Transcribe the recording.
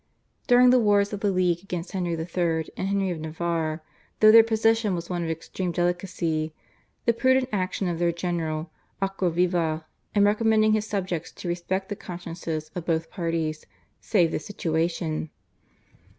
During the wars of the League against Henry III. and Henry of Navarre, though their position was one of extreme delicacy, the prudent action of their general, Aquaviva, in recommending his subjects to respect the consciences of both parties saved the situation.